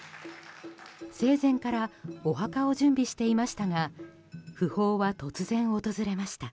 生前からお墓を準備していましたが訃報は突然訪れました。